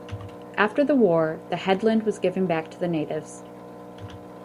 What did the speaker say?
After the war, the headland was given back to the natives.